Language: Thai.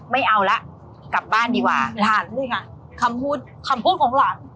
ไม่เอาละกลับบ้านดีกว่าหลานเลยค่ะคำพูดคำพูดของหลาน